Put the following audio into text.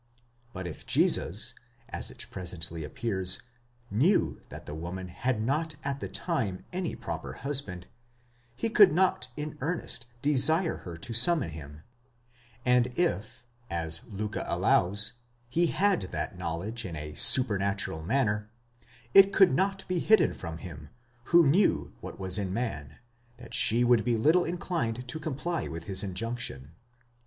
But if Jesus, as it presently appears, knew that the woman had not at the time any proper husband, he could not in earnest desire her to summon him; and if, as Liicke allows, he had that knowledge in a supernatural manner, it could not be hidden from him, who knew what was in man, that she would be little inclined to comply with his injunction.